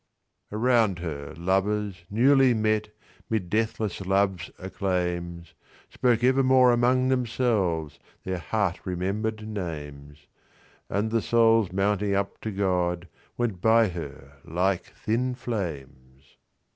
Around her, lovers, newly met'Mid deathless love's acclaims, Spoke evermore among themselvesTheir heart remember'd names; And the souls mounting up to GodWent by her like thin flames.